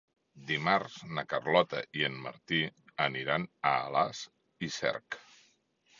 Dimarts na Carlota i en Martí aniran a Alàs i Cerc.